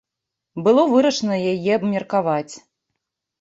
Было вырашана яе абмеркаваць.